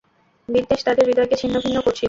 বিদ্বেষ তাদের হৃদয়কে ছিন্নভিন্ন করছিল।